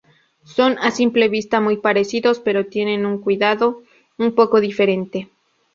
Son a simple vista muy parecidos, pero tienen un cuidado un poco diferente.